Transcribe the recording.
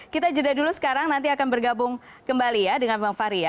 kita jeda dulu sekarang nanti akan bergabung kembali ya dengan bang fahri ya